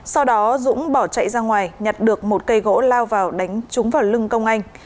sau đó dũng bỏ chạy ra ngoài nhặt được một cây gỗ lao vào đánh trúng vào lưng công anh